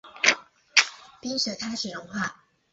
冰雪开始融化